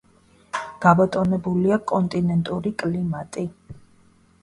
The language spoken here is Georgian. გაბატონებულია კონტინენტური კლიმატი.